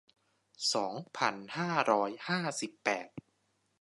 สองพันห้าร้อยห้าสิบแปด